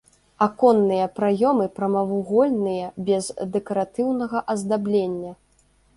Аконныя праёмы прамавугольныя без дэкаратыўнага аздаблення.